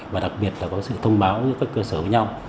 và đặc biệt là có sự thông báo giữa các cơ sở với nhau